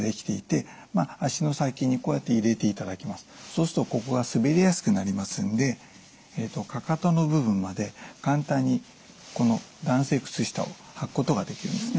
そうするとここが滑りやすくなりますんでかかとの部分まで簡単にこの弾性靴下を履くことができるんですね。